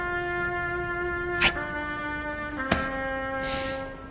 はい。